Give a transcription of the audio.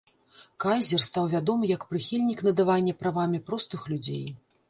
Кайзер стаў вядомы як прыхільнік надавання правамі простых людзей.